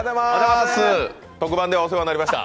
特番ではお世話になりました。